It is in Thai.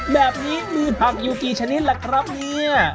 แบบนี้มีผักอยู่กี่ชนิดล่ะครับเนี่ย